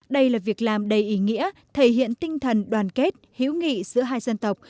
đây là việc làm đầy ý nghĩa thể hiện tinh thần đoàn kết hữu nghị giữa hai dân tộc